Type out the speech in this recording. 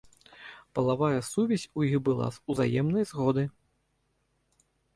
Палавая сувязь у іх была з узаемнай згоды.